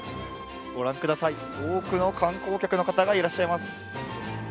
御覧ください、多くの観光客の方がいらっしゃいます。